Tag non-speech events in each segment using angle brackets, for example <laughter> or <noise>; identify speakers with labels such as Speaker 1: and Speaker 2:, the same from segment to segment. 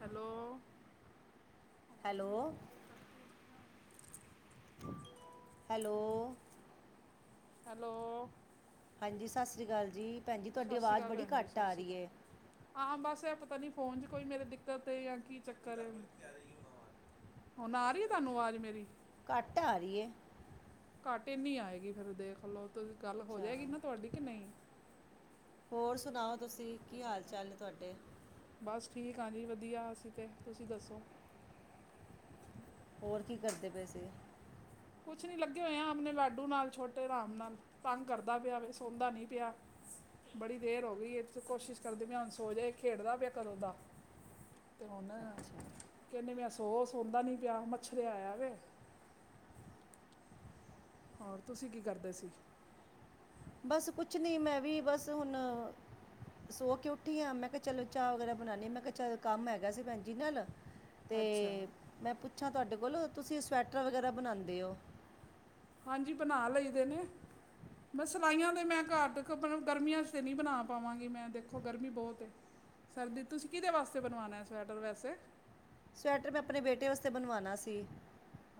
Speaker 1: Hello.
Speaker 2: Hello hello.
Speaker 1: Hello.
Speaker 2: ਹਾਂਜੀ, ਸਤਿ ਸ਼੍ਰੀ ਅਕਾਲ ਜੀ ਭੈਣ ਜੀ ਤੁਹਾਡੀ
Speaker 1: ਸਤਿ ਸ਼੍ਰੀ
Speaker 2: ਆਵਾਜ਼
Speaker 1: ਅਕਾਲ
Speaker 2: ਬੜੀ
Speaker 1: ਭੈਣ ਜੀ
Speaker 2: ਘੱਟ
Speaker 1: ਸਤਿ ਸ਼੍ਰੀ
Speaker 2: ਆਰੀ
Speaker 1: ਅਕਾਲ
Speaker 2: ਏ।
Speaker 1: ਹਾਂ, ਬਸ ਏ ਪਤਾ ਨੀ ਫੋਨ ਚ ਕੋਈ ਮੇਰੀ ਦਿੱਕਤ ਏ ਯਾ ਕੀ ਚੱਕਰ ਏ। ਹੁਣ ਆਰੀ ਏ ਤੁਹਾਨੂੰ ਆਵਾਜ਼ ਮੇਰੀ
Speaker 2: ਘਟ ਆਰੀ ਏ।
Speaker 1: ਘਟ ਏਨੀ ਆਏਗੀ, ਫਿਰ ਦੇਖ ਲਓ ਤੁਸੀ ਗੱਲ ਹੋ
Speaker 2: ਅੱਛਾ
Speaker 1: ਜਾਏਗੀ ਨਾ ਤੁਹਾਡੀ ਕੇ ਨਹੀ।
Speaker 2: ਹੋਰ ਸੁਣਾਓ ਤੁਸੀਂ ਕੀ ਹਾਲ ਚਾਲ ਏ ਤੁਆਡੇ?
Speaker 1: ਬਸ ਠੀਕ ਹਾਂਜੀ ਵਧੀਆ ਅਸੀਂ ਤੇ, ਤੁਸੀਂ ਦੱਸੋ?
Speaker 2: ਹੋਰ ਕੀ ਕਰਦੇ ਪਏ ਸੀ?
Speaker 1: ਕੁਛ ਨੀ ਲੱਗੇ ਹੋਏ ਆ ਆਪਣੇ ਲਾਡੂ ਨਾਲ ਛੋਟੇ ਰਾਮ ਨਾਲ। ਤੰਗ ਕਰਦਾ ਪਿਆ ਵੇ ਸੌਦਾ ਨੀ ਪਿਆ। ਬੜੀ ਦੇਰ ਹੋ ਗਈ ਏ ਅਸੀ ਕੋਸ਼ਿਸ਼ ਕਰਦੇ ਪਏ ਹਾਂ ਸੋ ਜਾਏ, ਖੇਡਦਾ ਪਿਆ ਕਰੋ ਦਾ। ਤੇ ਹੁਣ
Speaker 2: ਅੱਛਾ
Speaker 1: ਕਹਿੰਦੇ ਪਿਆ ਸੋ-ਸੋਨਦਾ ਨਹੀਂ ਪਿਆ ਮੱਛਰਿਆ ਇਆ ਵੇ। ਅੋੋਰ ਤੁਸੀਂ ਕੀ ਕਰਦੇ ਸੀ?
Speaker 2: ਬਸ ਕੁਚ ਨੀ ਮੈਂ ਵੀ ਬਸ ਹੁਣ ਸੋ ਕੇ ਉੱਠੀ ਆ, ਮੈਂ ਕਿਆ ਚਲੋ ਚਾ ਵਗੈਰਾ ਬਨਾਨੀ ਮੈਂ ਕਿਆ ਚਲ ਕੰਮ ਹੈਗਾ ਸੀ ਭੈਣਜੀ ਨਾਲ
Speaker 1: ਅੱਛਾ
Speaker 2: ਤੇ ਮੈਂ ਪੁੱਛਾਂ ਤੁਹਾਡੇ ਕੋਲ ਤੁਸੀਂ ਸਵੈਟਰ ਵਗੈਰਾ ਬਣਾਉਂਦੇ ਉਹ।
Speaker 1: ਹਾਂਜੀ, ਬਨਾ ਲਈ ਦੇ ਨੇ। ਮੈਂ ਸਿਲਾਈਆਂ ਤੇ ਮੈਂ ਘੱਟ, ਗਰਮੀਆਂ ਚ ਤੇ ਨੀ ਬਣਾ ਪਾਵਾਂਗੀ ਮੈਂ ਦੇਖੋ ਗਰਮੀ ਬਹੁਤ ਏ। ਸਰਦੀ ਤੁਸੀਂ ਕਿਦੇ ਵਾਸਤੇ ਬਣਵਾਨਾ ਸਵੈਟਰ ਵੈਸੇ?
Speaker 2: ਸਵੈਟਰ, ਮੈਂ ਆਪਣੇ ਬੇਟੇ ਵਾਸਤੇ ਬਣਵਾਣਾ ਸੀ।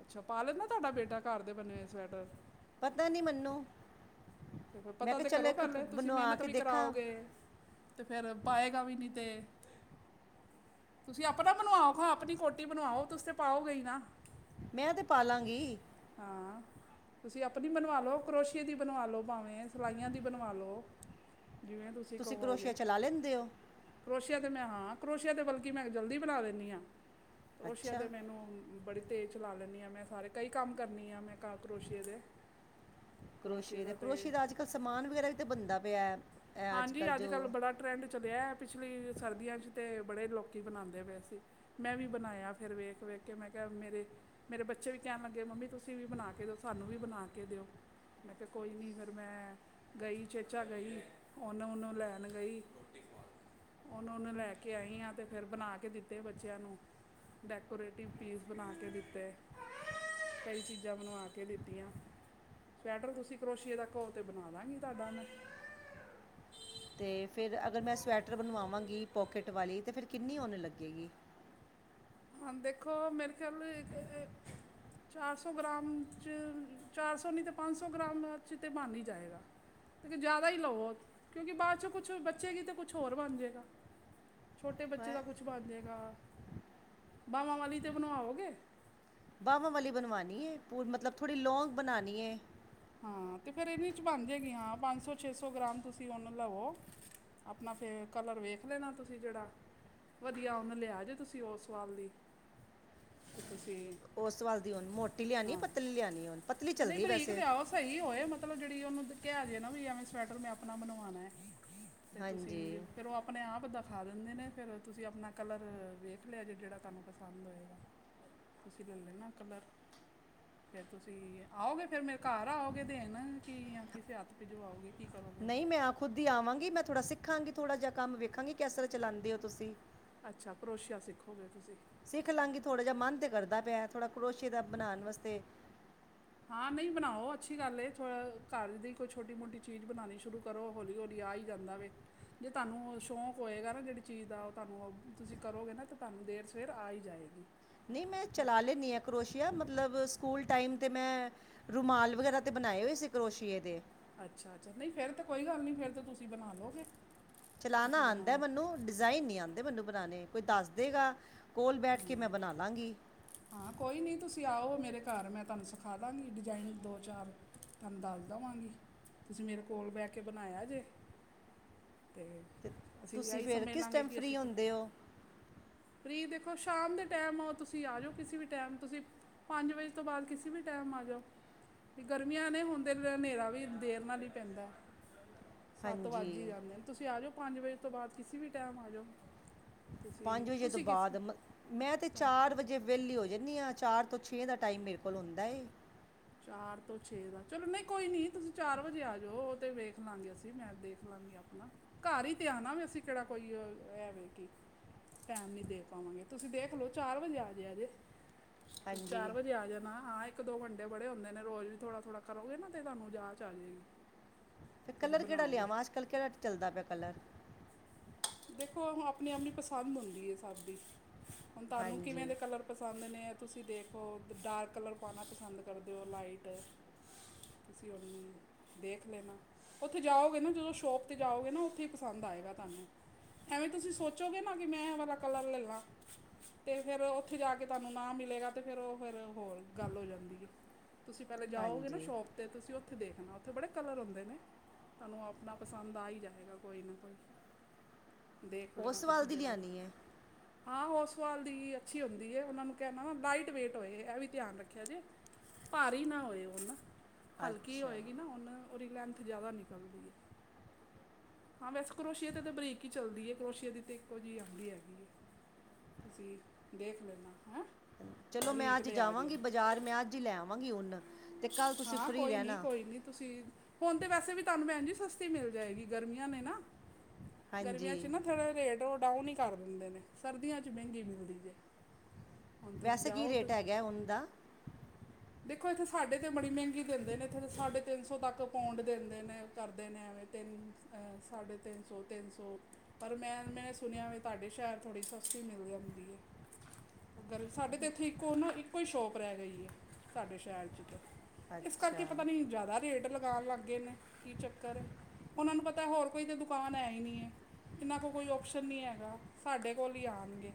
Speaker 1: ਅੱਛਾ, ਪਾਲੈਨਦਾ ਤੁਹਾਡਾ ਬੇਟਾ ਘਰ ਦੇ ਬਣੇ ਹੋਏ ਸਵੈਟਰ।
Speaker 2: ਪਤਾ ਨਹੀਂ ਮੈਨੂੰ ਮੈਂ
Speaker 1: ਪਤਾ
Speaker 2: ਕਿਹਾ
Speaker 1: ਤੇ
Speaker 2: ਚਲੋ
Speaker 1: ਕਰੋ
Speaker 2: ਇੱਕ
Speaker 1: ਪਹਿਲੇ, ਤੁਸੀਂ
Speaker 2: ਬਣਵਾ
Speaker 1: ਮਿਹਨਤ
Speaker 2: ਕੇ
Speaker 1: ਵੀ
Speaker 2: ਦੇਖਾਂ
Speaker 1: ਕਰਾਓਗੇ ਤੇ ਫਿਰ ਪਾਏਗਾ ਵੀ ਨਹੀਂ ਤੇ ਤੁਸੀਂ ਆਪਣਾ ਬਣਵਾਓ ਖਾਂ ਆਪਣੀ ਕੋਟੀ ਬਣਾਵਾਓ ਤੁਸੀਂ ਤੇ ਪਾਓਗੇ ਨਾ
Speaker 2: ਮੈਂ ਤੇ ਪਾਲਾਂਗੀ
Speaker 1: ਹਾਂ ਤੁਸੀਂ ਆਪਣੀ ਬਣਵਾ ਲਓ ਕਰੋਸ਼ੀਏ ਦੀ ਬਣਵਾ ਲਉ ਭਾਵੇਂ ਸਿਲਾਈਆਂ ਦੀ ਬਣਵਾ ਲਉ। ਜਿਵੇਂ ਤੁਸੀਂ
Speaker 2: ਕਰੋਸ਼ੀਆ
Speaker 1: ਕਹੋਗੇ।
Speaker 2: ਚਲਾ ਲੈਂਦੇ ਹੋ
Speaker 1: ਕਰੋਸ਼ੀਆ ਤਾਂ ਮੈਂ ਹਾਂ, ਕਰੋਸ਼ੀਆ ਤਾਂ ਬਲਕਿ ਮੈਂ ਜਲਦੀ ਬਣਾ ਦਿੰਦੀ ਹਾਂ। ਕਰੋਸ਼ੀਆ
Speaker 2: ਅੱਛਾ
Speaker 1: ਤੇ ਮੈਨੂੰ ਬੜੀ ਤੇਜ਼ ਚਲਾ ਲੈਦੀ ਆ ਮੈਂ ਸਾਰੇ ਕਈ ਕੰਮ ਕਰਨੀ ਆ ਮੈਂ ਘਰ ਕਰੋਸ਼ੀਏ ਦੇ
Speaker 2: ਕਰੋਸ਼ੀਏ ਦੇ ਕਰੋਸ਼ੀਏ ਦਾ ਅੱਜ ਕੱਲ ਸਮਾਨ ਵਗੈਰਾ ਵੀ ਤਾਂ ਬਣਦਾ ਪਿਆ।
Speaker 1: ਹਾਂਜੀ ਅੱਜ ਕੱਲ੍ਹ ਬੜਾ ਟਰੈਂਡ ਚੱਲਿਆ, ਪਿਛਲੀ ਸਰਦੀਆਂ 'ਚ ਤਾਂ ਬੜੇ ਲੋਕ ਬਣਾਉਂਦੇ ਪਏ ਸੀ। ਮੈਂ ਵੀ ਬਣਾਇਆ ਫਿਰ ਵੇਖ, ਵੇਖ ਕੇ ਮੈਂ ਕਿਹਾ ਮੇਰੇ, ਮੇਰੇ ਬੱਚੇ ਵੀ ਕਹਿਣ ਲੱਗੇ, ਮੰਮੀ ਤੁਸੀਂ ਵੀ ਬਣਾ ਕੇ ਦਿਓ ਸਾਨੂੰ ਵੀ ਬਣਾ ਕੇ ਦਿਓ। ਕੋਈ ਨਹੀਂ ਫਿਰ ਮੈਂ ਗਈ ਚੇਚਾ ਗਈ। ਉਨ ਉਨ ਨੂੰ ਲੈਣ ਗਈ। ਉਨ-ਉਨ ਲੈ ਕੇ ਆਈ ਹਾਂ ਤੇ ਫਿਰ ਬਣਾ ਕੇ ਦਿੱਤੇ ਬੱਚਿਆਂ ਨੂੰ ਡੈਕੋਰੇਟਿਵ ਪੀਸ ਬਣਾ ਕੇ ਦਿੱਤੇ। ਕਈ ਚੀਜ਼ਾਂ ਬਣਵਾ ਕੇ ਦਿੱਤੀਆਂ। ਸਵੈਟਰ ਤੁਸੀਂ ਕਰੋਸ਼ੀਏ ਦਾ ਕਹੋਗੇ ਤੇ ਬਣਾ ਦੇਵਾਂਗੀ ਤੁਹਾਡਾ।
Speaker 2: ਤੇ ਫਿਰ ਅਗਰ ਮੈਂ ਸਵੈਟਰ ਬਣਵਾਂਗੀ ਪੋਕਿਟ ਵਾਲੀ ਤਾਂ ਫਿਰ ਕਿੰਨੀ ਉਨ ਲੱਗੇਗੀ।
Speaker 1: ਦੇਖੋ ਮੇਰੇ ਖਿਆਲ ਇੱਕ ਚਾਰ ਸੌ ਗ੍ਰਾਮ 'ਚ ਚਾਰ ਸੌ ਨਹੀਂ ਤਾਂ ਪੰਜ ਸੌ ਗ੍ਰਾਮ 'ਚ ਤਾਂ ਬਣ ਹੀ ਜਾਏਗਾ। ਤੇ ਜ਼ਿਆਦਾ ਹੀ ਲਵੋ ਕਿਉਂਕਿ ਬਾਅਦ ਚੋਂ ਕੁਛ ਬਚੇਗੀ ਤੇ ਕੁਛ ਹੋਰ ਬਣ ਜਾਏਗਾ। ਛੋਟੇ ਬੱਚੇ ਦਾ ਕੁਛ ਬਣ ਜਾਵੇਗਾ, ਬਾਹਵਾਂ ਵਾਲੀ ਤਾਂ ਬਣਵਾਓਗੇ।
Speaker 2: ਬਾਹਵਾਂ ਵਾਲੀ ਬਣਵਾਉਣੀ ਹੈ ਪੂ ਮਤਲਬ ਥੋੜ੍ਹੀ ਲੌਂਗ ਬਣਾਉਣੀ ਹੈ।
Speaker 1: ਹਾਂ ਤੇ ਫਿਰ ਇਹਦੇ 'ਚ ਬਣ ਜਾਏਗੀ ਹਾਂ ਪੰਜ ਸੌ ਛੇ ਸੌ ਗ੍ਰਾਮ ਤੁਸੀਂ ਉਨ ਲਵੋ। ਆਪਣਾ ਫਿਰ ਕਲਰ ਵੇਖ ਲੈਣਾ ਤੁਸੀਂ ਜਿਹੜਾ ਵਧੀਆ ਉਨ ਲਿਆਜੇ ਤੁਸੀਂ ਉਸ ਵਾਸਤੇ
Speaker 2: ਉਸਵਾਲ ਦੀ ਉਨ ਮੋਟੀ ਲਿਆਉਣੀ ਪਤਲੀ ਲਿਆਉਣੀ ਪਤਲੀ
Speaker 1: ਨਹੀਂ
Speaker 2: ਚੱਲਦੀ
Speaker 1: ਬਰੀਕ
Speaker 2: ਵੈਸੇ
Speaker 1: ਲਿਆਓ ਸਹੀ ਹੋਏ ਮਤਲਬ ਜਿਹੜੀ ਉਹਨੂੰ ਕਿਹਾ ਜੇ ਐਵੇਂ ਸਵੈਟਰ ਮੈਂ ਆਪਣਾ ਬਣਵਾਉਣਾ ਹੈ। ਤੇ ਤੁਸੀਂ
Speaker 2: ਹਾਂਜੀ
Speaker 1: ਫੇਰ ਉਹ ਆਪਣੇ ਆਪ ਦਾ ਦਿਖਾ ਦਿੰਦੇ ਨੇ ਫਿਰ ਤੁਸੀਂ ਆਪਣਾ ਕਲਰ ਵੇਖ ਲਿਆ ਜੇ ਜਿਹੜਾ ਤੁਹਾਨੂੰ ਪਸੰਦ ਹੋਏਗਾ। ਤੁਸੀਂ ਲੈ ਲੈਣਾ ਕੱਲਰ ਫਿਰ ਤੁਸੀਂ ਆਓਗੇ ਫਿਰ ਮੇਰੇ ਘਰ ਆੳਗੇ ਦੇਨ ਕਿ ਜਾਂ ਕਿਸੇ ਹੱਥ ਭੇਜਵਾੳਗੇ ਕੀ ਕਰੋਗੇ ਫਿਰ
Speaker 2: ਨਹੀਂ ਮੈਂ ਖੁਦ ਹੀ ਆਵਾਂਗੀ, ਮੈਂ ਥੋੜ੍ਹਾ ਸਿੱਖਾਂਗੀ, ਥੋੜ੍ਹਾ ਜਿਹਾ ਕੰਮ ਵੇਖਾਂਗੀ ਕਿਸ ਤਰ੍ਹਾਂ ਚਲਾਉਂਦੇ ਹੋ ਤੁਸੀਂ
Speaker 1: ਅੱਛਾ ਕਰੋਸ਼ੀਆ ਸਿੱਖੋਗੇ ਤੁਸੀਂ
Speaker 2: ਸਿੱਖ ਲਵਾਂਗੀ ਥੋੜਾ ਜਿਹਾ ਮਨ ਤੇ ਕਰਦਾ ਪਿਆ ਥੋੜਾ ਕਰੋਸਿਐ ਦਾ ਬਣਾਉਣ ਵਾਸਤੇ
Speaker 1: ਹਾਂ ਨਹੀਂ ਬਣਾਓ ਅੱਛੀ ਗੱਲ ਏ ਥੋ ਘਰ ਦੀ ਕੋਈ ਛੋਟੀ- ਮੋਟੀ ਚੀਜ਼ ਬਣਾਉਣੀ ਸ਼ੁਰੂ ਕਰੋ ਹੌਲੀ- ਹੌਲੀ ਆ ਹੀ ਜਾਂਦਾ ਵੇ ਜੇ ਤੁਹਾਨੂੰ ਸ਼ੋਕ ਹੋਏਗਾ ਨਾ ਜਿਹੜੀ ਚੀਜ਼ ਦਾ, ਉਹ ਤੁਹਾਨੂੰ ਤੁਸੀਂ ਕਰੋਗੇ ਨਾ ਤਾਂ ਤੁਹਾਨੂੰ ਦੇਰ ਸਵੇਰ ਆ ਹੀ ਜਾਏਗੀ।
Speaker 2: ਨਹੀਂ ਮੈਂ
Speaker 1: ਬਸ
Speaker 2: ਚਲਾ ਲੈਂਦੀ ਆ ਕਰੋਸ਼ੀਆ ਮਤਲਬ ਸਕੂਲ ਟਾਈਮ 'ਤੇ ਮੈਂ ਰੁਮਾਲ ਵਗੈਰਾ ਤੇ ਬਣਾਏ ਹੋਏ ਸੀ ਕਰੋਸ਼ੀਏ ਦੇ
Speaker 1: ਅੱਛਾ, ਅੱਛਾ ਨਹੀਂ ਫੇਰ ਤਾਂ ਕੋਈ ਗੱਲ ਨਹੀਂ ਫੇਰ ਤਾਂ ਤੁਸੀਂ ਬਣਾ ਲਓਗੇ।
Speaker 2: ਚਲਾਉਣਾ ਆਉਂਦਾ ਮੈਨੂੰ, ਡਿਜ਼ਾਇਨ ਨੀ ਆਉਂਦੇ ਮੈਨੂੰ ਬਣਾਉਣੇ ਕੋਈ ਦੱਸ ਦੇਗਾ। ਕੋਲ ਬੈਠ ਕੇ ਮੈਂ ਬਣਾ ਲਵਾਂਗੀ।
Speaker 1: ਹਾਂ ਕੋਈ ਨਹੀਂ ਤੁਸੀਂ ਆਓ ਮੇਰੇ ਘਰ ਮੈਂ ਤੁਹਾਨੂੰ ਸਿਖਾ ਦਾਂਗੀ ਡਿਜ਼ਾਇਨ ਦੋ ਚਾਰ ਤੁਹਾਨੂੰ ਦੱਸ ਦੇਵਾਂਗੀ, ਤੁਸੀਂ ਮੇਰੇ ਕੋਲ ਬਹਿ ਕੇ ਬਣਾਇਆ ਜੇ ਅਤੇ
Speaker 2: ਤੇ
Speaker 1: ਅਸੀਂ
Speaker 2: ਤੁਸੀਂ
Speaker 1: ਇਹੀ
Speaker 2: ਫਿਰ
Speaker 1: ਸਮਝ
Speaker 2: ਕਿਸ
Speaker 1: ਲਾਂਗੇ
Speaker 2: ਟਾਈਮ ਫ੍ਰਰੀ ਹੁੰਦੇ ਹੋ?
Speaker 1: ਫਰੀ ਦੇਖੋ ਸ਼ਾਮ ਦੇ ਟੈਮ ਆਓ ਤੁਸੀਂ ਆ ਜਾਓ ਕਿਸੇ ਵੀ ਟਾਈਮ ਤੁਸੀਂ ਪੰਜ ਵਜੇ ਤੋਂ ਬਾਅਦ ਕਿਸੇ ਵੀ ਟਾਈਮ ਆ ਜਾਓ। ਗਰਮੀਆਂ ਨੇ ਹੁੰਦੇ ਹਨੇਰਾ ਵੀ ਦੇਰ ਨਾਲ ਹੀ ਪੈਂਦਾ। ਸੱਤ
Speaker 2: ਹਾਂਜੀ
Speaker 1: ਵੱਜ ਹੀ ਜਾਂਦੇ ਨੇ ਤੁਸੀਂ ਆ ਜਾਓ ਪੰਜ ਵਜੇ ਤੋਂ ਬਾਅਦ ਕਿਸੇ ਵੀ ਟਾਈਮ ਆ ਜਾਓ ਤੁਸੀਂ
Speaker 2: ਵਜੇ ਤੋਂ
Speaker 1: ਕਿਸ
Speaker 2: ਬਾਅਦ, ਮੈਂ ਤੇ ਚਾਰ
Speaker 1: ਤੁਹਾਨੂੰ
Speaker 2: ਚਾਰ ਵਜੇ ਵਿਹਲੀ ਹੋ ਜਾਂਨੀ ਹਾਂ, ਚਾਰ ਤੋਂ ਛੇ ਦਾ ਟਾਈਮ ਮੇਰੇ ਕੋਲ ਹੁੰਦਾ ਏ।
Speaker 1: ਚਾਰ ਤੋਂ ਛੇ ਦਾ ਚਲੋ ਨਹੀਂ ਕੋਈ ਨੀ ਤੁਸੀਂ ਚਾਰ ਵਜੇ ਆਜੋ, ਉਹ ਤੇ ਵੇਖਲਾਂਗੇ ਅਸੀ, ਮੈਂ ਦੇਖਲਾਂਗੇ। ਆਪਣਾ, ਘਰ ਹੀ ਤੇ ਆਣਾ, ਵੀ ਅਸੀਂ ਕਿਹੜਾ, ਕੋਈ, ਐਵੇਂ ਕਿ ਟਾਈਮ ਨੀ ਦੇ ਪਾਵਾਂਗੇ, ਤੁਸੀ ਦੇਖ ਲਓ ਚਾਰ ਵਜੇ ਆਜਯਾ ਜੇ।
Speaker 2: ਹਾਂਜੀ
Speaker 1: ਚਾਰ ਵਜੇ ਆ ਜਾਨਾ, ਹਾਂ ਇੱਕ-ਦੋ ਘੰ ੇ ਬੜੇ ਹੁੰਦੇ ਨੇ ਰੋਜ਼, ਵੀ ਥੋੜਾ-ਥੋੜਾ ਕਰੋਗੇ ਨਾ, ਤੇ ਤੁਾਨੂੰ ਜਾਚ ਆ ਜੇਗੀ।
Speaker 2: ਫਿਰ ਕੱਲਰ ਕਿਹੜਾ ਲਿਆਵਾਂ? ਅੱਜ-ਕੱਲ ਕਿਹੜਾ ਚੱਲਦਾ ਪਿਆ ਕਲਰ?
Speaker 1: ਦੇਖੋ ਹਨ ਆਪਣੀ-ਆਪਣੀ ਪਸੰਦ ਹੁੰਦੀ ਹੈ ਸਭ ਦੀ, ਹੁਣ ਤੁਹਾਨੂੰ ਕਿਵੇਂ
Speaker 2: ਹਾਂਜੀ
Speaker 1: ਦੇ ਕਲਰ ਪਸੰਦ ਨੇ ਤੁਸੀਂ ਦੇਖੋ, ਡਾਰਕ ਕਲਰ ਪਾਣਾ ਪਸੰਦ ਕਰਦੇ ਹੋ, ਲਾਈਟ ਤੁਸੀ ਹੋਨੀ ਦੇਖ ਲੇਨਾ, ਉੱਥੇ ਜਾਓਗੇ ਨਾ, ਜਦੋਂ ਸ਼ੋਪ 'ਤੇ ਜਾਓਗੇ ਨਾ, ਉੱਥੇ ਹੀ ਪਸੰਦ ਆਏਗਾ ਤੁਹਾਨੂੰ। ਐਵੇਂ ਤੁਸੀਂ ਸੋਚੋਗੇ ਨਾ ਕਿ, ਮੈਂ ਐ ਵਾਲਾ ਕਲਰ ਲੈਲਾਂ ਤੇ ਫਿਰ, ਉੱਥੇ ਜਾਕੇ ਤੁਹਾਨੂੰ ਨਾ ਮਿਲੇਗਾ ਤੇ ਫਿਰ, ਉਹ ਫਿਰ ਹੋਰ ਗੱਲ ਹੋ ਜਾਂਦੀ ਏ। ਤੁਸੀ ਪਹਿਲੇ ਜਾਓਗੇ ਨਾ
Speaker 2: ਹਾਂਜੀ
Speaker 1: ਸ਼ੌਪ ਅਤੇ ਤੁਸੀਂ ਉੱਥੇ ਦੇਖਣਾ, ਉੱਥੇ ਬੜੇ ਕਲਰ ਹੁੰਦੇ ਨੇ। ਤੁਹਾਨੂੰ ਆਪਣਾ ਪਸੰਦ ਆ ਹੀ ਜਾਇਗਾ, ਕੋਈ ਨਾ ਕੋਈ। ਦੇਖ ਲੇਣਾ,
Speaker 2: ਉਸ ਵੱਲ
Speaker 1: ਤੁਸੀ
Speaker 2: ਦੀ
Speaker 1: ਜਿਹੜਾ ਵੀ।
Speaker 2: ਲਿਆਣੀ ਹੈ
Speaker 1: ਹਾਂ, ਹੋਸਵਾਲ ਦੀ ਵੀ ਅੱਛੀ ਹੁੰਦੀ ਏ, ਉਹਨਾਂ ਨੂੰ ਕਹਿਣਾ ਲਾਈਟ ਵੇਟ ਹੋਏ, ਐ ਵੀ ਧਿਆਨ ਰੱਖਿਓ ਜੇ। ਭਾਰੀ ਨਾ ਹੋਏ ਉਹ ਨਾ, ਹਲਕੀ
Speaker 2: ਅੱਛਾ
Speaker 1: ਹੋਏਗੀ ਨਾ ਉਹਨ ਉਹਦੀ ਲੈਂਥ ਜ਼ਿਆਦਾ ਨਿਕਲਦੀ ਏ, ਹਾਂ ਵੈਸੇ ਕਰੋਸ਼ੀਏ ਦੇ ਤਾਂ ਬਰੀਕ ਕੀ ਚੱਲਦੀ ਏ, ਕਰੋਸ਼ੀਏ ਦੀ ਤੇ ਇੱਕੋ ਜਿਹੀ ਆਉਂਦੀ ਹੈਗੀ ਏ। ਤੁਸੀਂ ਦੇਖ ਲੇਣਾ। ਹੈਂ!
Speaker 2: ਚਲੋ ਮੈਂ
Speaker 1: ਬਰੀਕ
Speaker 2: ਅੱਜ
Speaker 1: ਲਿਆ ਜੇ
Speaker 2: ਜਾਵਾਂਗੀ ਬਜ਼ਾਰ, ਮੈਂ ਅੱਜ ਹੀ ਲੈ ਆਵਾਂਗੀ ਉਂਨ
Speaker 1: ਹਾਂ, ਕੋਈ ਨੀ ਕੋਈ ਨੀ, ਤੁਸੀ ਹੁਣ ਤੇ ਵੈਸੇ ਵੀ ਤੁਹਾਨੂੰ ਭੈਣ ਜੀ, ਸਸਤੀ ਮਿਲ ਜਾਏਗੀ ਗਰਮੀਆਂ ਨੇ ਨਾ
Speaker 2: ਹਾਂਜੀ
Speaker 1: ਗਰਮੀਆਂ'ਚ ਨਾ ਉੱਥੇ ਰੇਟ ਉਹ ਡਾਊਨ ਹੀ ਕਰ ਦਿੰਦੇ ਨੇ, ਸਰਦੀਆਂ'ਚ ਮਹਿੰਗੀ ਮਿਲਦੀ ਜੇ। ਹੁਣ ਤੁਸੀਂ
Speaker 2: ਵੈਸੇ, ਕੀ
Speaker 1: ਜਾਓ
Speaker 2: ਰੇਟ
Speaker 1: ਤਾਂ
Speaker 2: ਹੈਗਾ ਉਂਨ ਦਾ?
Speaker 1: ਦੇਖੋ, ਇੱਥੇ ਸਾਡੇ ਤਾਂ ਬੜੀ ਮਹਿੰਗੀ ਦਿੰਦੇ ਨੇ, ਇੱਥੇ ਤਾਂ ਸਾਢੇ-ਤਿੰਨ ਸੌ ਤੱਕ ਪੋਂਡ ਦਿੰਦੇ ਨੇ, ਕਰਦੇ ਨੇ ਐਵੇਂ ਤਿੰਨ ਅ--ਸਾਢੇ ਤਿੰਨ ਸੌ, ਤਿੰਨ ਸੋ। ਪਰ ਮੈਂ, ਮੇਂਨੇ ਸੁਣਿਆ ਵੇ, ਤੁਹਾਡੇ ਸ਼ਹਿਰ ਥੋੜ੍ਹੀ ਸਸਤੀ ਮਿਲ ਜਾਂਦੀ ਏ। ਅਗਰ ਸਾਡੇ ਤੇ ਇੱਥੇ, ਇੱਕੋ ਨਾ ਇੱਕੋ ਹੀ ਸ਼ੋਪ ਰਹਿ ਗਈ ਏ। ਸਾਡੇ ਸ਼ਹਿਰ'ਚ ਤੇ, ਇਸ ਕਰਕੇ
Speaker 2: ਅੱਛਾ
Speaker 1: ਪਤਾ ਨੀ, ਜ਼ਿਆਦਾ ਰੇਟ ਲਗਾਣ ਲੱਗ ਲੱਗੇ ਨੇ, ਕੀ ਚੱਕਰ ਏ, ਉਹਨਾ ਨੂੰ ਪਤਾ ਹੋਰ ਕੋਈ ਤਾਂ ਦੁਕਾਨ ਹੈ ਹੀ ਨਹੀ ਏ। ਇਹਨਾਂ ਕੋਲ ਕੋਈ ਓਪਸ਼ਨ ਨਹੀਂ ਹੈਗਾ, ਸਾਡੇ ਕੋਲ ਹੀ ਆਣਗੇ।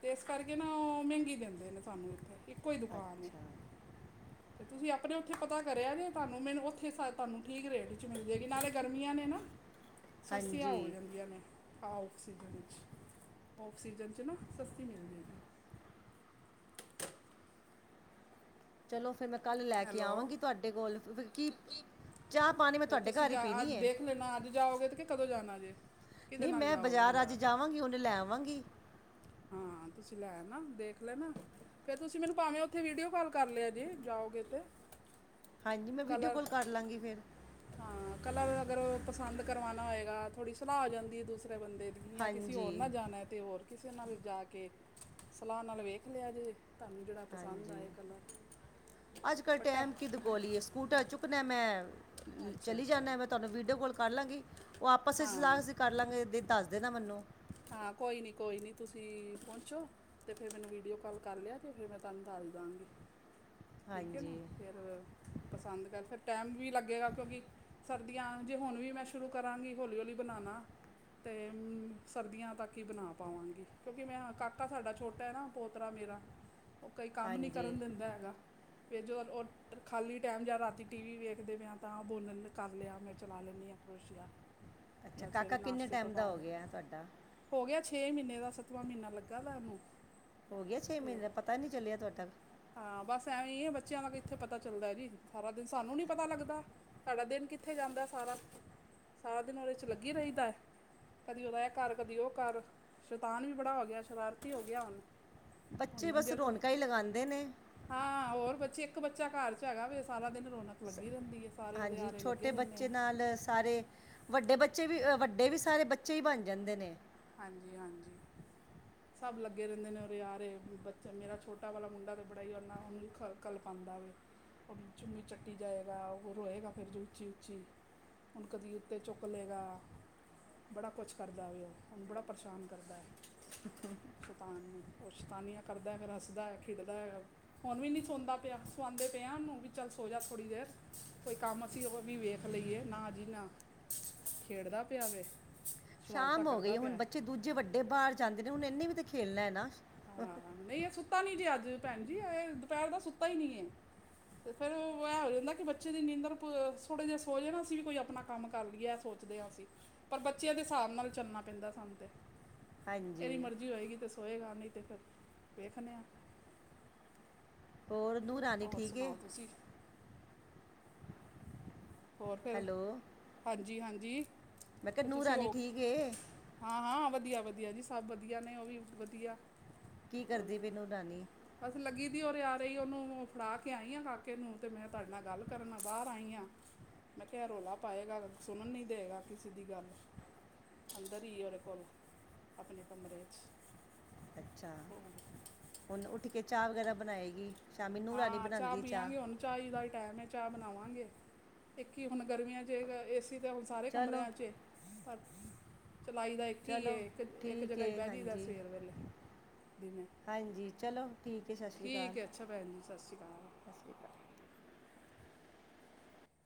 Speaker 1: ਤੇ ਇਸ ਕਰਕੇ ਨਾ ਉਹ, ਮਹਿੰਗੀ ਦਿੰਦੇ ਨੇ ਸਾਨੂੰ ਇੱਥੇ, ਇੱਕੋ ਹੀ ਦੁਕਾਨ ਏ।
Speaker 2: ਹ <inaudible>
Speaker 1: ਫਿਰ ਤੁਸੀਂ ਆਪਣੇ ਉੱਥੇ ਪਤਾ ਕਰਿਆ ਜੇ, ਤੁਹਾਨੂੰ ਮੈਨੂੰ ਉੱਥੇ ਸ ਤੁਹਾਨੂੰ ਠੀਕ ਰੇਟ 'ਚ ਮਿਲ ਜੇਗੀ, ਨਾਲੇ ਗਰਮੀਆਂ ਨੇ ਨਾ।
Speaker 2: <inaudible>
Speaker 1: ਸਸਤੀਆ ਹੋ ਜਾਂਦੀਆਂ ਨੇ। ਹਾ, ਔਫ ਸੀਜਨ ਵਿੱਚ, ਔਫ ਸੀਜਨ'ਚ ਨਾ ਸਸਤੀ ਮਿਲ ਜੇਗੀ।
Speaker 2: ਚਲੋ ਫੇਰ ਮੈਂ ਕੱਲ ਲੈਕੇ
Speaker 1: ਹੈਲੋ
Speaker 2: ਆਵਾਂਗੀ ਤੁਹਾਡੇ ਕੋਲ, ਕੀ ਚਾਹ-ਪਾਣੀ ਮੈਂ ਤੁਹਾਡੇ ਘਰ ਹੀ ਪੀਣੀ ਏ।
Speaker 1: ਦੇ ਨਾਦ'ਚ ਜਾਓਗੇ ਤੇ ਕਿ, ਕਦੋਂ ਜਾਣਾ ਜੇ? ਕਿਹਦੇ
Speaker 2: ਨਹੀਂ
Speaker 1: ਨਾਲ
Speaker 2: ਮੈਂ
Speaker 1: ਜਾਓਗੇ
Speaker 2: ਬਾਜ਼ਾਰ ਅੱਜ ਜਾਵਾਂਗੀ, ਹੁਨੇ ਲੈ ਆਵਾਂਗੀ।
Speaker 1: ਹਾਂ, ਤੁਸੀਂ ਲੈ ਆਨਾ, ਦੇਖ ਲੈਨਾ। ਫਿਰ ਤੁਸੀਂ ਮੈਨੂੰ ਭਾਵੇਂ ਉੱਥੇ ਵੀਡੀਓ ਕੋਲ ਕਰ ਲਿਆ ਜੇ, ਜਾਓਗੇ ਤੇ।
Speaker 2: ਹਾਂਜੀ, ਮੈਂ ਵੀਡੀਓ ਕੋਲ
Speaker 1: ਕਲਰ
Speaker 2: ਕਰਲਾਂਗੀ ਫਿਰ।
Speaker 1: ਹਾਂ, ਕਲਰ ਅਗਰ ਪਸੰਦ ਕਰਵਾਣਾ ਹੋਏਗਾ, ਥੋੜੀ ਸਲਾਹ ਹੋ ਜਾਂਦੀ ਏ, ਦੂਸਰੇ ਬੰਦੇ ਜਾਂ ਕਿਸੇ
Speaker 2: ਹਾਂਜੀ
Speaker 1: ਹੋਰ ਨਾ ਜਾਣਾ ਤੇ, ਹੋਰ ਕਿਸੇ ਨਾਲ ਜਾਕੇ ਸਲਾਹ ਨਾਲ ਵੇਖ ਲਿਆ ਜੇ। ਤੁਹਾਨੂੰ ਜਿਹੜਾ ਪਸੰਦ ਆ
Speaker 2: ਹਾਂਜੀ
Speaker 1: ਇਹ ਕਲਾ
Speaker 2: ਅੱਜ ਕੱਲ੍ਹ
Speaker 1: ਪਟੈ।
Speaker 2: ਟਾਈਮ ਕਿਹਦੇ ਕੋਲ ਹੀ ਹੈ ਸਕੂਟਰ ਚੁੱਕਣੇ ਮੈਂ।
Speaker 1: ਅੱਛਾ
Speaker 2: ਚਲੀ
Speaker 1: ਅੱਛਾ
Speaker 2: ਜਾਂਦਾ ਮੈਂ ਤੁਹਾਨੂੰ ਵੀਡੀਓ ਕਾਲ ਕਰ ਲਾਂਗੀ, ਉਹ ਆਪਸ ਚ ਸਲਾ
Speaker 1: ਹਾਂ
Speaker 2: ਕਰ ਲਾਂਗੇ ਦੀ ਦੱਸ ਦੇਨਾ ਮੈਨੂੰ।
Speaker 1: ਹਾਂ ਕੋਈ ਨੀ ਕੋਈ ਨੀ ਤੁਸੀਂ ਪਹੁੰਚੋ। ਤੇ ਫ਼ਿਰ ਮੈਨੂੰ ਵੀਡੀਓ ਕਾਲ ਕਰ ਲਿਆ ਤੇ ਫੇਰ ਮੈਂ ਤੁਹਾਨੂੰ ਦੱਸ ਦਾਂਗੀ।
Speaker 2: <inaudible>
Speaker 1: ਠੀਕ ਹੈ ਨਾ ਫਿਰ ਪਸੰਦ ਕਰ ਫਿਰ ਟਾਈਮ ਵੀ ਲੱਗੇਗਾ ਕਿਉਂਕਿ ਸਰਦੀਆਂ ਜੇ ਹੁਣ ਵੀ ਮੈਂ ਸ਼ੁਰੂ ਕਰਾਂਗੀ ਹੌਲੀ-ਹੌਲੀ ਬਨਾਣਾ ਤੇ ਹੂੰ ਸਰਦੀਆਂ ਤੱਕ ਹੀ ਬਣਾ ਪਾਵਾਂਗੀ, ਕਿਉਂਕਿ ਮੈਂ ਹ ਕਾਕਾ ਸਾਡਾ ਛੋਟਾ ਹੈ ਨਾ ਪੋਤਰਾ ਮੇਰਾ। ਉਹ ਕੋਈ ਕੰਮ ਨਹੀਂ
Speaker 2: ਹਾਂਜੀ
Speaker 1: ਕਰਨ ਦਿੰਦਾ ਹੈਗਾ। ਫਿਰ ਜੋ ਖਾਲੀ ਟਾਈਮ ਜਾ ਰਾਤੀ ਟੀਵੀ ਵੇਖਦੇ ਪਿਆ ਤਾਂ ਬੋਲਣ ਕਰ ਲਿਆ ਮੈਂ ਚਲਾ ਲੈਂਦੀ ਆ ਕਰੋਸੀਆ।
Speaker 2: ਅੱਛਾ ਕਾਕਾ ਕਿੰਨੇ ਟਾਈਮ ਦਾ ਹੋ ਗਿਆ ਤੁਹਾਡਾ?
Speaker 1: ਹੋ ਗਿਆ ਛੇ ਮਹੀਨੇ ਦਾ ਸੱਤਵਾਂ ਮਹੀਨਾ ਲੱਗਾ ਦਾ ਉਹਨੂੰ।
Speaker 2: ਹੋ ਗਿਆ ਛੇ ਮਹੀਨੇ
Speaker 1: ਤੇ
Speaker 2: ਦਾ ਪਤਾ ਨੀ ਚੱਲਿਆ ਤੁਹਾਡਾ।
Speaker 1: ਹਾਂ ਬਸ ਐਵੇਂ ਹੀ ਹੈ ਬੱਚਿਆਂ ਦਾ ਕਿੱਥੇ ਪਤਾ ਚੱਲਦਾ ਜੀ ਸਾਰਾ ਦਿਨ ਸਾਨੂੰ ਨੀ ਪਤਾ ਲੱਗਦਾ। ਸਾਡਾ ਦਿਨ ਕਿੱਥੇ ਜਾਂਦਾ ਸਾਰਾ, ਸਾਰਾ ਦਿਨ ਉਹਦੇ ਚ ਲੱਗੇ ਰਹੀਦਾ। ਕਦੀ ਇਹ ਕਰ, ਕਦੀ ਉਹ ਕਰ, ਸ਼ੈਤਾਨ ਵੀ ਬੜਾ ਹੋ ਗਿਆ ਸ਼ਰਾਰਤੀ ਹੋ ਗਿਆ ਹੁਣ। ਹੁਣ
Speaker 2: ਬੱਚੇ ਬਸ
Speaker 1: ਮੰਜੇ ਤੋਂ
Speaker 2: ਰੌਣਕਾ ਹੀ ਲਗਾਉਂਦੇ ਨੇ।
Speaker 1: ਹਾਂ ਹੋਰ ਬੱਚੇ ਇੱਕ ਬੱਚਾ ਘਰ 'ਚ ਹੈਗਾ ਵੀ ਸਾਰਾ ਦਿਨ ਰੌਣਕ ਲੱਗੀ ਰਹਿੰਦੀ ਹੈ ਸਾਰੇ ਉਹਦੇ
Speaker 2: ਹਾਂਜੀ
Speaker 1: ਆਰੇ ਲੱਗੇ
Speaker 2: ਛੋਟੇ
Speaker 1: ਰਹਿੰਦੇ
Speaker 2: ਬੱਚੇ
Speaker 1: ਆ
Speaker 2: ਨਾਲ ਸਾਰੇ ਵੱਡੇ ਬੱਚੇ ਵੀ ਵੱਡੇ ਵੀ ਸਾਰੇ ਬੱਚੇ ਹੀ ਬਣ ਜਾਂਦੇ ਨੇ।
Speaker 1: ਹਾਂਜੀ-ਹਾਂਜੀ
Speaker 2: <inaudible>
Speaker 1: ਸਭ ਲੱਗੇ ਰਹਿੰਦੇ ਨੇ ਉਹਰੇ ਆਰੇ ਬੱਚਾ ਮੇਰਾ ਛੋਟਾ ਵਾਲਾ ਮੁੰਡਾ ਤੇ ਬੜਾ ਈ ਉਹਨੂੰ ਕਲਪਾਉਂਦਾ ਵੇ। ਉਹ ਚੁੰਮੀ ਚੱਟੀ ਜਾਏਗਾ ਉਹ ਰੋਏਗਾ ਫਿਰ ਜੋ ਉੱਚੀ-ਉੱਚੀ। ਹੁਣ ਕਦੀ ਉੱਤੇ ਚੁੱਕ ਲਏਗਾ, ਬੜਾ ਕੁਛ ਕਰਦਾ ਵੇ ਉਹ। ਉਹਨੂੰ ਬੜਾ ਪਰੇਸ਼ਾਨ ਕਰਦਾ ਹੈ, ਸ਼ੈਤਾਨ ਨੂੰ। ਉਹ ਸ਼ੈਤਾਨੀਆਂ ਕਰਦਾ ਫਿਰ ਹੱਸਦਾ ਏ, ਖੇਡਦਾ ਹੈ। ਹੁਣ ਵੀ ਨਹੀਂ ਸੌਦਾ ਪਿਆ ਸਵਾਉਂਦੇ ਪਏ ਆ ਉਹਨੂੰ ਵੀ ਚੱਲ ਸੋ ਜਾ ਥੋੜ੍ਹੀ ਦੇਰ। ਕੋਈ ਕੰਮ ਅਸੀਂ ਉਹ ਵੀ ਵੇਖ ਲਈਏ ਨਾ ਜੀ ਨਾ। ਖੇਡਦਾ ਪਿਆ ਵੇ? ਸ਼ਰਾਰਤਾਂ
Speaker 2: ਸ਼ਾਮ ਹੋ ਗਈ
Speaker 1: ਕਰਦਾ
Speaker 2: ਹੁਣ
Speaker 1: ਪਿਆ ਹੈ
Speaker 2: ਬੱਚੇ ਦੂਜੇ ਵੱਡੇ ਬਾਹਰ ਜਾਂਦੇ ਨੇ ਹੁਣ ਇੰਨੇ ਵੀ ਤਾਂ ਖੇਲਣਾ ਹੈ ਨਾ।
Speaker 1: ਹਾਂ ਨਹੀਂ ਇਹ ਸੁੱਤਾ ਨੀ ਜੇ ਅੱਜ ਭੈਣ ਜੀ ਇਹ ਦੁਪਹਿਰ ਦਾ ਸੁੱਤਾ ਹੀ ਨੀ ਏ। ਫਿਰ ਐ ਹੋ ਜਾਂਦਾ ਕਿ ਬੱਚੇ ਦੀ ਨੀਂਦਰ ਥੋੜੇ ਜਿਹੇ ਸੋ ਜੇ ਨਾ ਅਸੀਂ ਵੀ ਕੋਈ ਆਪਣਾ ਕੰਮ ਕਰ ਲਈਏ ਇਹ ਉੱਠ ਗਿਆ ਸੀ। ਪਰ ਬੱਚਿਆਂ ਦੇ ਹਿਸਾਬ ਨਾਲ ਚੱਲਣਾ ਪੈਂਦਾ ਸਾਨੂੰ ਤੇ। ਇਹ
Speaker 2: ਹਾਂਜੀ
Speaker 1: ਦੀ ਮਰਜ਼ੀ ਹੋਏਗੀ ਤੇ ਸੋਏਗਾ ਨਹੀਂ ਤੇ ਫਿਰ ਵੇਖਦੇ ਆ।
Speaker 2: ਹੋਰ ਨੂੰਹ ਰਾਣੀ
Speaker 1: ਹੋਰ
Speaker 2: ਠੀਕ ਏ?
Speaker 1: ਸੁਣਾਓ ਤੁਸੀਂ ਹੋਰ ਫਿਰ,
Speaker 2: ਹੈਲੋ
Speaker 1: ਹਾਂਜੀ-ਹਾਂਜੀ,
Speaker 2: ਮੈਂ ਕਿਹਾ
Speaker 1: ਤੇ
Speaker 2: ਨੂੰਹ
Speaker 1: ਤੁਸੀਂ ਹੋ
Speaker 2: ਰਾਣੀ ਠੀਕ ਏ
Speaker 1: ਹਾਂ ਹਾਂ ਵਧੀਆ ਵਧੀਆ ਜੀ ਸਭ ਵਧੀਆ ਨੇ ਉਹ ਵੀ ਵਧੀਆ।
Speaker 2: ਕੀ
Speaker 1: ਹੋਰ
Speaker 2: ਕਰਦੀ ਪਈ ਨੂੰਹ ਰਾਨੀ?
Speaker 1: ਬਸ ਲੱਗੀ ਦੀ ਉਰੇ ਆ ਰਹੀ ਉਹਨੂੰ ਫੜਾ ਕੇ ਆਈ ਆ ਕਾਕੇ ਨੂੰ ਤੇ ਮੈਂ ਤੁਹਾਡੇ ਨਾਲ ਗੱਲ ਕਰਨ ਬਾਹਰ ਆਈ ਆਂ। ਮੈਂ ਕਿਹਾ ਰੌਲਾ ਪਾਏਗਾ ਸੁਣਨ ਨੀ ਦੇਵੇਗਾ ਕਿਸੇ ਦੀ ਗੱਲ। ਅੰਦਰ ਹੀ ਉਹਦੇ ਕੋਲ, ਆਪਣੇ ਕਮਰੇ ਵਿੱਚ।
Speaker 2: ਅੱਛਾ, ਹੁਣ ਉੱਠ ਕੇ ਚਾਹ ਵਗੈਰਾ ਬਣਾਏਗੀ। ਸ਼ਾਮੀ ਨੂੰਹ ਰਾਣੀ
Speaker 1: ਹਾਂ ਚਾਹ
Speaker 2: ਬਣਾਉਂਦੀ
Speaker 1: ਪੀਵਾਂਗੇ ਹੁਣ। ਚਾਹੀ ਦਾ ਹੀ ਟਾਈਮ ਹੈ ਚਾਹ ਬਣਾਵਾਂਗੇ, ਇੱਕ ਹੀ ਹੁਣ ਗਰਮੀਆਂ ਚ ਏ ਸੀ ਤੇ ਹੁਣ ਸਾਰੇ
Speaker 2: ਚਲੋ
Speaker 1: ਕਮਰਿਆਂ ਚ ਏ, ਪਰ ਚਲਾਈ ਦਾ ਇੱਕ ਹੀ
Speaker 2: ਚਲੋ
Speaker 1: ਏ ਇੱਕ
Speaker 2: ਠੀਕ
Speaker 1: ਜਗ੍ਹਾ ਹੀ
Speaker 2: ਏ
Speaker 1: ਬਹਿ ਜਾਈਦਾ
Speaker 2: ਹਾਂਜੀ
Speaker 1: ਸਵੇਰ ਵੇਲੇ ਦਿਨੇ।
Speaker 2: ਹਾਂਜੀ ਚਲੋ ਠੀਕ ਹੈ ਸਤਿ ਸ਼੍ਰੀ ਅਕਾਲ ਜੀ।
Speaker 1: ਠੀਕ ਹੈ, ਅੱਛਾ ਭੈਣ ਜੀ, ਸਤਿ ਸ਼੍ਰੀ ਅਕਾਲ।
Speaker 2: ਸ਼੍ਰੀ ਅਕਾਲ